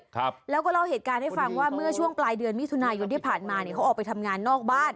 ครับแล้วก็เล่าเหตุการณ์ให้ฟังว่าเมื่อช่วงปลายเดือนมิถุนายนที่ผ่านมาเนี่ยเขาออกไปทำงานนอกบ้าน